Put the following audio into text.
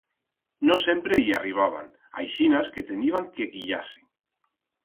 No sempre i arribaban, aixinas que teniban que quillar-se.